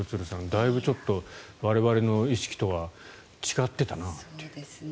だいぶ我々の意識とは違っていたなという。